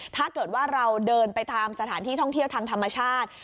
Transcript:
ถ้าเกิดว่าเราเดินไปตามสถานที่ท่องเที่ยวทางธรรมชาติ